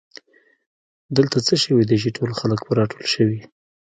دلته څه شوي دي چې ټول خلک راټول شوي